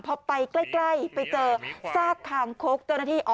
พอไปใกล้ไปเจอซากคางคกเจ้าหน้าที่